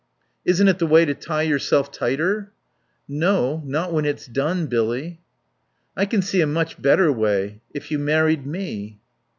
"Isn't it the way to tie yourself tighter?" "No. Not when it's done, Billy." "I can see a much better way.... If you married me."